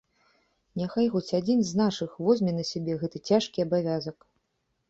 Няхай хоць адзін з нашых возьме на сябе гэты цяжкі абавязак.